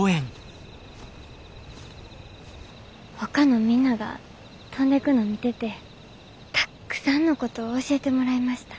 ほかのみんなが飛んでくの見ててたっくさんのことを教えてもらいました。